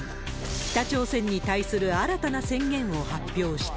北朝鮮に対する新たな宣言を発表した。